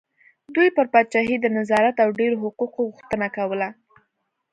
دوی پر پاچاهۍ د نظارت او ډېرو حقوقو غوښتنه کوله.